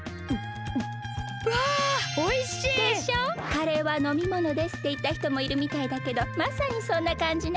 「カレーは飲み物です」っていったひともいるみたいだけどまさにそんなかんじね。